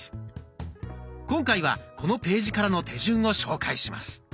今回はこのページからの手順を紹介します。